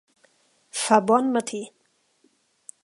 Fa bon matí.